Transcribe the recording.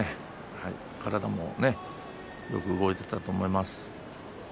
体もよく動いていたと思います。